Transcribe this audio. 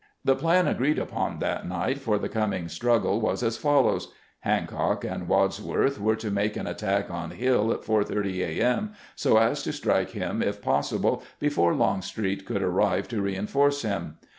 The plan agreed upon that night for the coming struggle was as follows : Hancock and Wadswoi'th were to make an attack on Hill at 4:30 a. m., so as to strike him if possible before Longstreet could arrive to rein force him.